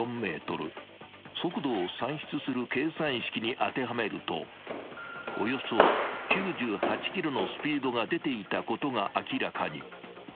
［速度を算出する計算式に当てはめるとおよそ９８キロのスピードが出ていたことが明らかに］